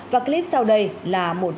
và clip sau đây là một